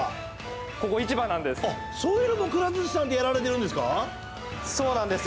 そういうのもくら寿司さんでやられてるんですか？